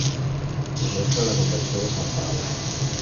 Es mostra la conversió de Sant Pau.